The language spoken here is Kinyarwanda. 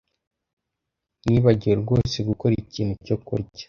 Nibagiwe rwose gukora ikintu cyo kurya